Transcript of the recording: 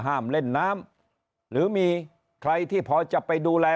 ห้ามเล่นน้ำหรือมีใครที่พอจะไปดูแล